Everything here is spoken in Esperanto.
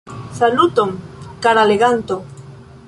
Saluton, kara leganto!